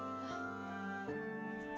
ada beberapa hal yang terjadi